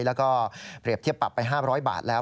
แล้วก็เปรียบเทียบปรับไป๕๐๐บาทแล้ว